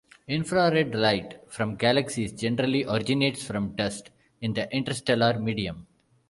Infrared light from galaxies generally originates from dust in the interstellar medium.